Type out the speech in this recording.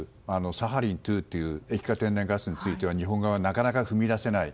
サハリン２という液化天然ガスについては日本側はなかなか踏み出せない。